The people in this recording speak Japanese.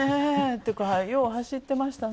よう走ってましたね。